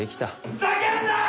ふざけんなよ！